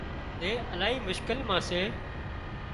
زي الاهي مشڪل مان سي